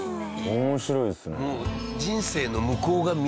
面白いですね。